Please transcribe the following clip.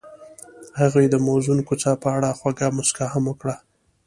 هغې د موزون کوڅه په اړه خوږه موسکا هم وکړه.